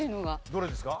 どれですか？